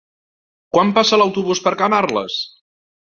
Quan passa l'autobús per Camarles?